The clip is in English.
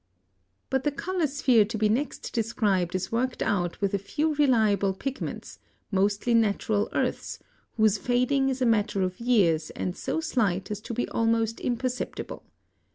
(101) But the color sphere to be next described is worked out with a few reliable pigments, mostly natural earths, whose fading is a matter of years and so slight as to be almost imperceptible.